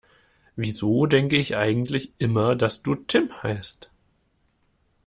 Wieso denke ich eigentlich immer, dass du Tim heißt?